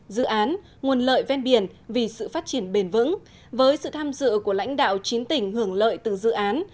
dự án nguồn lợi ven biển vì sự phát triển bền vững với sự tham dự của lãnh đạo chín tỉnh hưởng lợi từ dự án